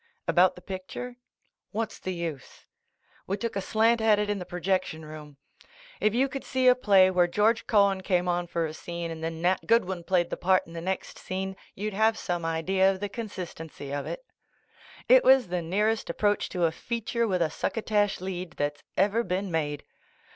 A BOUT the picture? What's the use !• We took a slant at it in the projec tion room. If you could see a play where George Cohan came on for a scene and then Nat Goodwin played the part in the next scene, you'd have some idea of the consistency of it. It was the nearest approach to a feature with a succotash lead that's ever been made.